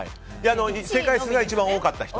正解数が一番多かった人。